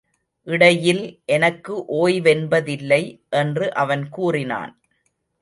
இடையில் எனக்கு ஒய்வென்பதில்லை! என்று அவன் கூறினான்.